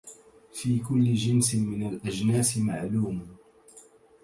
في كل جنس من الأجناس معلوم